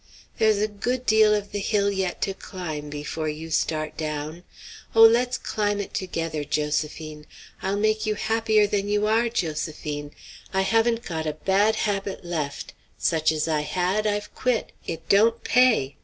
There's a good deal of the hill yet to climb before you start down. Oh, let's climb it together, Josephine! I'll make you happier than you are, Josephine; I haven't got a bad habit left; such as I had, I've quit; it don't pay.